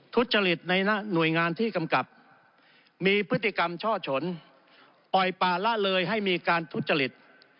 ทุจริตในหน่วยงานที่กำกับมีพฤติกรรมช่อชนปล่อยป่าละเลยให้มีการทุจริต